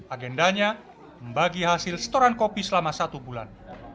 agendanya membagi hasil setoran kopi selama satu bulan